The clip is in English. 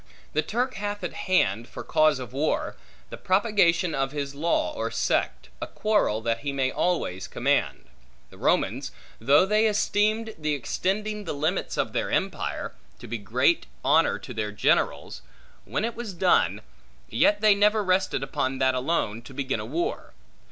The Turk hath at hand, for cause of war, the propagation of his law or sect; a quarrel that he may always command. The Romans, though they esteemed the extending the limits of their empire, to be great honor to their generals, when it was done, yet they never rested upon that alone, to begin a war.